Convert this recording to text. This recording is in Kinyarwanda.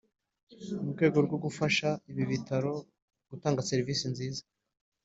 mu rwego rwo gufasha ibi bitaro gutanga serivisi nziza